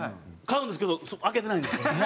買うんですけど開けてないんですよこれも。